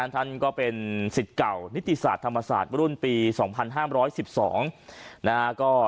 ท่านก็เป็นศิษย์เก่าณิติศาสตร์ธรรมศาสตร์รุ่งปีละ๒๕๑๒